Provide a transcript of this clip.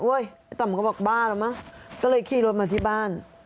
ไอ้ต่ำก็บอกบ้าแล้วมั้งก็เลยขี่รถมาที่บ้าน